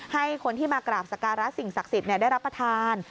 ให้คนที่มากราบสการะสิ่งศักดิ์สิทธิ์ได้รับประทาน